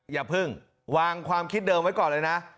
อย่าเพิ่งวางความคิดเดิมไว้ก่อนเลยนะ